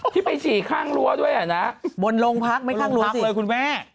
ที่ไปฉี่ข้างรั่วด้วยอ่ะนะบนโรงพักไม่ข้างรั่วสิคุณแม่